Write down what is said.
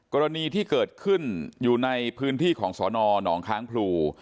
กรณีที่เกิดขึ้นอยู่ในพื้นที่ของสนหนองค้างพลู